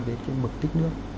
với cái mực tích nước